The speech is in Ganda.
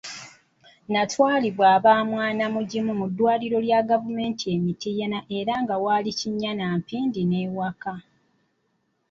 Nnatwalibwa aba "Mwanamugimu" mu ddwaliro lya Gavumenti e Mityana era nga waali kinnya na mpindi n'ewaka.